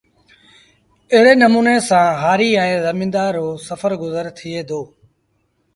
ايڙي نموٚني سآݩ هآريٚ ائيٚݩ زميݩدآر روسڦر گزر ٿئي دو